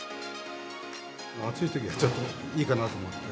暑いときはちょっといいかなと思って。